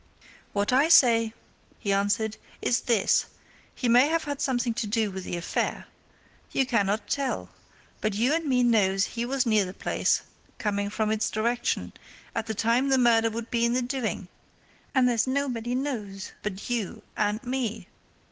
"What I say," he answered, "is this: he may have had something to do with the affair. You cannot tell. But you and me knows he was near the place coming from its direction at the time the murder would be in the doing. And there is nobody knows but you and me!"